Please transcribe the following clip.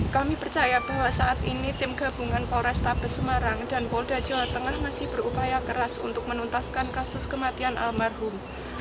kami percaya bahwa saat ini tim gabungan polrestabes semarang dan polda jawa tengah masih berupaya keras untuk menuntaskan kasus kematian almarhum